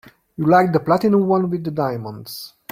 You liked the platinum one with the diamonds.